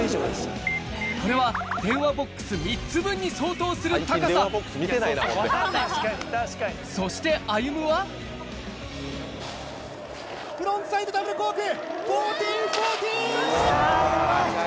これはに相当する高さそして歩夢はフロントサイドダブルコーク１４４０！